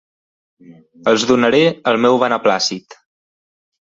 Els donaré el meu beneplàcit.